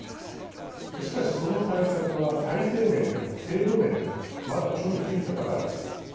しかしその対策は体制面でも制度面でもまだ緒についたばかりです。